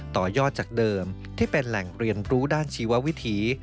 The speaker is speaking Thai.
ต่อยอดจากเดิมที่เป็นแหล่งเรียนรู้ด้านชีววิถี